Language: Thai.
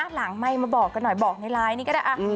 หลังไมค์มาบอกกันหน่อยบอกในไลน์นี้ก็ได้